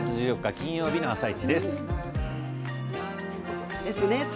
金曜日の「あさイチ」です。